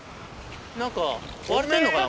何か割れてんのかな？